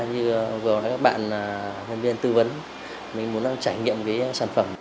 vừa nãy các bạn nhân viên tư vấn mình muốn trải nghiệm sản phẩm